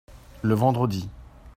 Le vendredi.